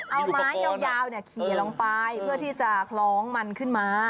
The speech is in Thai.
เอาไม้ยาวขี่ลงไปเพื่อที่จะคล้องมันขึ้นมา